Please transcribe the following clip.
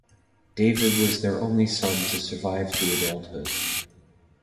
David was their only son to survive to adulthood.